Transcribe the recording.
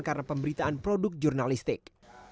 karena pemberitaan produk jurnalistik